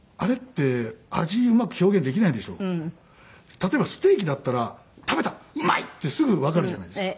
例えばステーキだったら食べたうまいってすぐわかるじゃないですか。